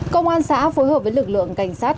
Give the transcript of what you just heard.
công an xã phối hợp với lực lượng cảnh sát